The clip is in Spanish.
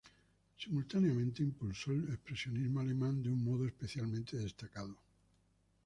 Simultáneamente impulsó el expresionismo alemán de un modo especialmente destacado.